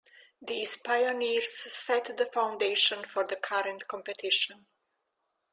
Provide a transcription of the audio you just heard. These pioneers set the foundation for the current competition.